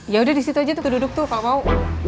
ya udah disitu aja tuh duduk tuh gak mau